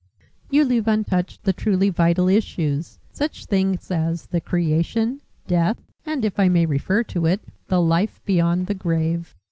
You leave untouched the truly vital issues, such things as the creation, death, and, if I may refer to it, the life beyond the grave."